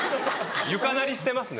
床鳴りしてますね。